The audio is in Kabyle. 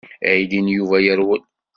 Aydi n Yuba yerwel.